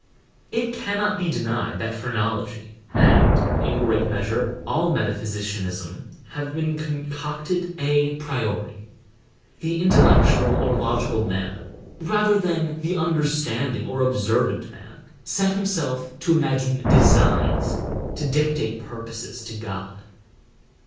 It cannot be denied that phrenology and, in great measure, all metaphysicianism have been concocted a priori. The intellectual or logical man, rather than the understanding or observant man, set himself to imagine designs—to dictate purposes to God.